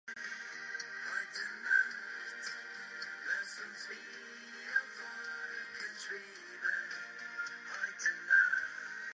Making it through three-quarters of a page is considered an extraordinary accomplishment.